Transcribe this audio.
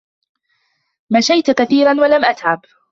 مَشَيْتُ كَثِيرًا وَلَمْ أَتْعَبْ.